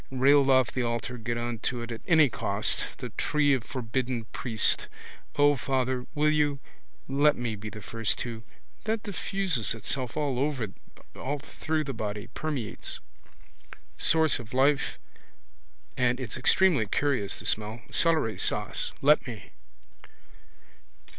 Railed off the altar get on to it at any cost. The tree of forbidden priest. O, father, will you? Let me be the first to. That diffuses itself all through the body, permeates. Source of life. And it's extremely curious the smell. Celery sauce. Let me.